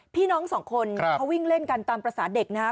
พี่น้องสองคนเขาวิ่งเล่นกันตามภาษาเด็กนะครับ